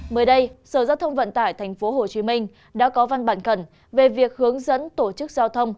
mới đây sở giao thông vận tải thành phố hồ chí minh đã có văn bản cẩn về việc hướng dẫn tổ chức giao thông